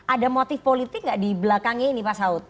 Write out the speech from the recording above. ada motif politik nggak di belakangnya ini pak saud